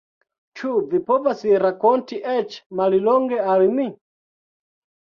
Ĉu vi povas rakonti eĉ mallonge al mi?